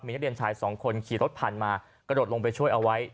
มีนักเรียนชาย๒คนขี่รถพันธุ์มากระโดดลงไปช่วยเอาไว้